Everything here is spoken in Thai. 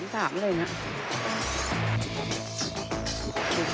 มีเก็ดดังมีแจ๊งแดง